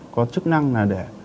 có chức năng là để